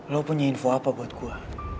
lo punya info apa buat gue